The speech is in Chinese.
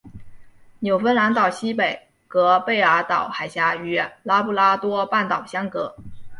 纽芬兰岛西北隔贝尔岛海峡与拉布拉多半岛相隔。